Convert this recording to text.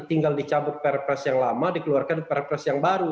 tinggal dicabut perpres yang lama dikeluarkan perpres yang baru